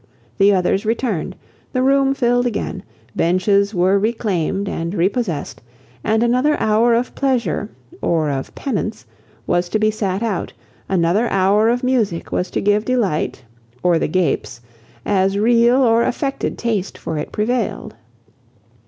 The others returned, the room filled again, benches were reclaimed and repossessed, and another hour of pleasure or of penance was to be sat out, another hour of music was to give delight or the gapes, as real or affected taste for it prevailed.